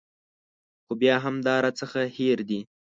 خو بیا هم دا راڅخه هېر دي.